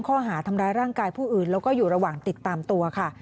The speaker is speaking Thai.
ข้อหาทำร้ายร่างกายผู้อื่นแล้วก็อยู่ระหว่างติดตามตัวค่ะ